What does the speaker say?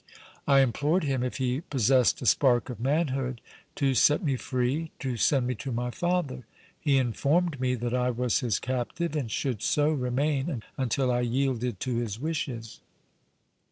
I implored him, if he possessed a spark of manhood, to set me free, to send me to my father. He informed me that I was his captive and should so remain until I yielded to his wishes.